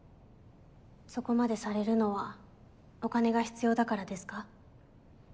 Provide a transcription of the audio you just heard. そこまでされるのはお金が必要だからですか？